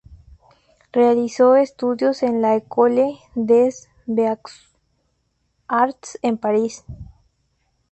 Realizó estudios en la École des Beaux-Arts, en París.